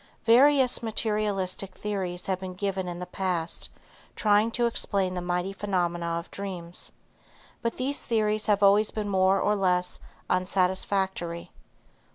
Various materialistic theories have been given in the past, trying to explain the mighty phenomena of dreams, but these theories have always been more or less unsatisfactory.